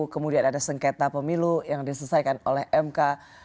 kemudian ada sengketa pemilu yang diselesaikan oleh mk